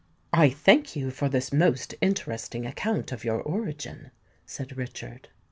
"I thank you for this most interesting account of your origin," said Richard.